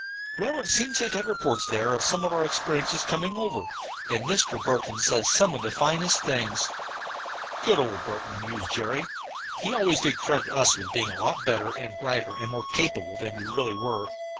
"Well, it seems they've had reports there of some of our experiences coming over, and Mr. Burton says some of the finest things." "Good old Burton!" mused Jerry. "He always did credit us with being a lot better and brighter and more capable than we really were."